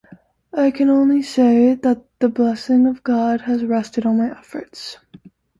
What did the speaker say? I can only say that the blessing of God has rested on my efforts.